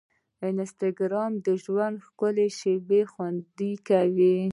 انسټاګرام د ژوند ښکلي شېبې خوندي کوي.